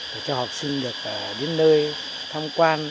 để cho học sinh được đến nơi tham quan